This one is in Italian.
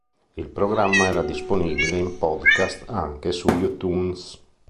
Il programma era disponibile in podcast anche su iTunes.